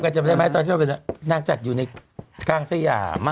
น่าจะจัดอยู่ในกล้างสยาม